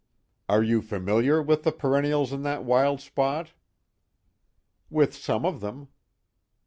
"Are you familiar with the perennials in that wild spot?" "With some of them."